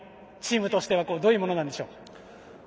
チームとしてはどういうものなんでしょう？